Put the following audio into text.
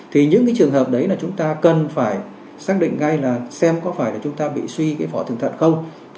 thì những cái trường hợp đấy là chúng ta cần phải xác định ngay là xem có phải là chúng ta bị suy cái vỏ tường thận không